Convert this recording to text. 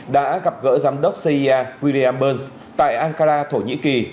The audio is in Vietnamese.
đã gặp gỡ giám đốc cia william burns tại ankara thổ nhĩ kỳ